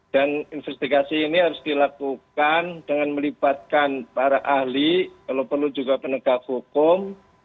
dan investigasi ini harus dilakukan dengan melibatkan para ahli kalau perlu juga penegak hukum